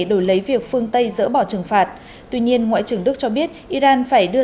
đổi lấy việc phương tây dỡ bỏ trừng phạt tuy nhiên ngoại trưởng đức cho biết iran phải đưa